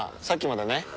さっきまでね